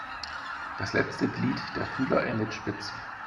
Das letzte Glied der Fühler endet spitz.